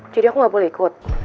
jadi aku nggak boleh ikut